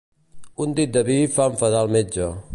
Un dit de vi fa enfadar el metge.